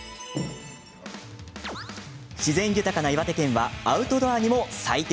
自然豊かな岩手県はアウトドアにも最適。